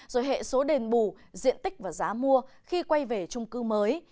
rồi hệ số đền bù diện tích và giá mua khi quay về trung cư mới